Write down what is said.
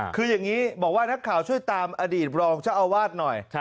คืออย่างนี้บอกว่านักข่าวช่วยตามอดีตรองเจ้าอาวาสหน่อย